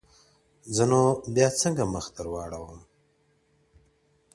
زه نو بيا څنگه مخ در واړومه.